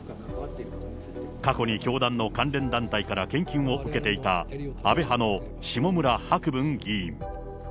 過去に教団の関連団体から献金を受けていた安倍派の下村博文議員。